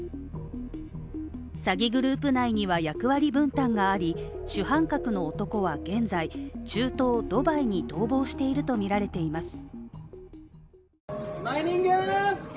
詐欺グループ内には役割分担があり、主犯格の男は現在、中東ドバイに逃亡しているとみられています。